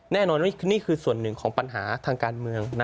แน่นอนว่านี่คือส่วนหนึ่งของปัญหาทางการเมือง